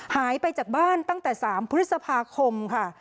หายไปจากบ้านตั้งแต่๓พฤษภาคมค่ะ